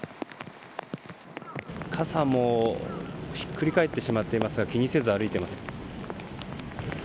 傘もひっくり返っていますが気にせず歩いています。